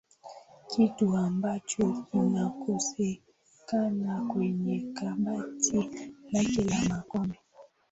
kitu ambacho kinakosekana kwenye kabati lake la makombe